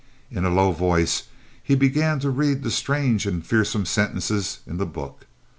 In a low voice he began to read the strange and fearsome sentences in the book.